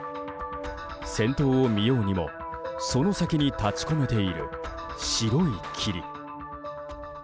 先頭を見ようにもその先に立ち込めている白い霧。